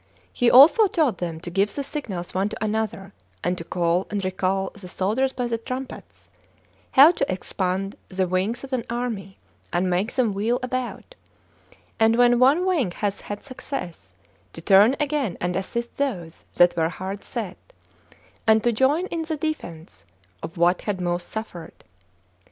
He also taught them to give the signals one to another, and to call and recall the soldiers by the trumpets, how to expand the wings of an army, and make them wheel about; and when one wing hath had success, to turn again and assist those that were hard set, and to join in the defense of what had most suffered.